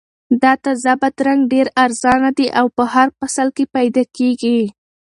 دا تازه بادرنګ ډېر ارزانه دي او په هر فصل کې پیدا کیږي.